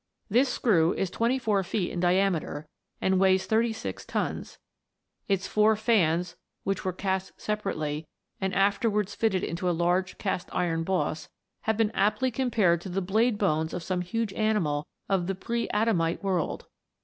This screw is twenty four feet in diameter, and weighs thirty six tons. Its four fans, which were cast separately, and afterwards fitted into a large cast iron boss, have been aptly compared to the blade bones of some huge animal of the pre Adamite world.